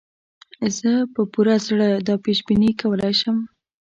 زه په پوره زړه دا پېش بیني کولای شم.